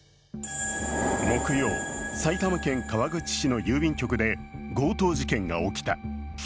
木曜、埼玉県川口市の郵便局で強盗事件が起きた。